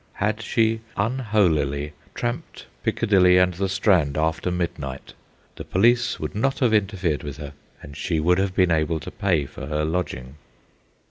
Had she unholily tramped Piccadilly and the Strand after midnight, the police would not have interfered with her, and she would have been able to pay for her lodging.